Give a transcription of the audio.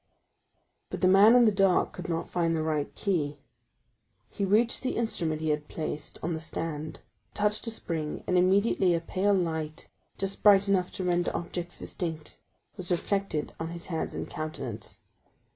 But the man in the dark could not find the right key. He reached the instrument he had placed on the stand, touched a spring, and immediately a pale light, just bright enough to render objects distinct, was reflected on his hands and countenance.